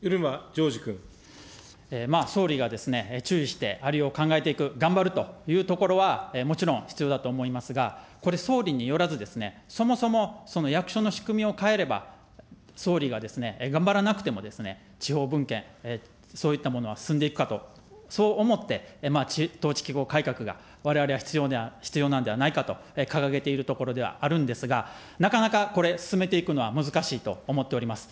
まあ、総理がですね、注意してありようを考えていく、頑張るというところはもちろん必要だと思いますが、これ、総理によらず、そもそも、その役所の仕組みを変えれば、総理が頑張らなくても地方分権、そういったものは進んでいくかと、そう思って、統治機構改革がわれわれは必要なんではないかと掲げているところではあるんですが、なかなかこれ、進めていくのは難しいと思っております。